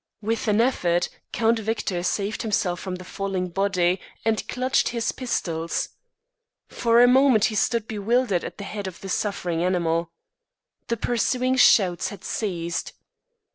With an effort, Count Victor saved himself from the falling body and clutched his pistols. For a moment he stood bewildered at the head of the suffering animal. The pursuing shouts had ceased.